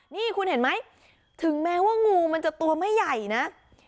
นี่คุณเห็นไหมถึงแม้ว่างูมันจะตัวไม่ใหญ่นะ